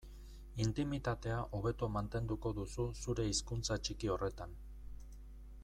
Intimitatea hobeto mantenduko duzu zure hizkuntza txiki horretan.